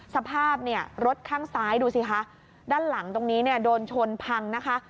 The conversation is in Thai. สภาพรถข้างซ้ายดูสิคะด้านหลังตรงนี้โดนชนพังนะคะ